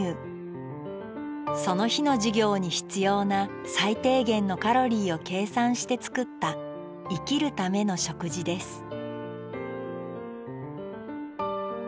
その日の授業に必要な最低限のカロリーを計算して作った生きるための食事です